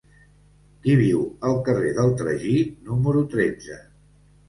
Qui viu al carrer del Tragí número tretze?